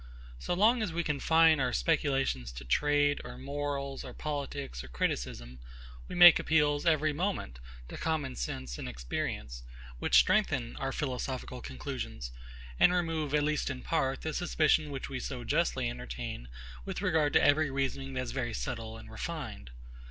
So long as we confine our speculations to trade, or morals, or politics, or criticism, we make appeals, every moment, to common sense and experience, which strengthen our philosophical conclusions, and remove, at least in part, the suspicion which we so justly entertain with regard to every reasoning that is very subtle and refined.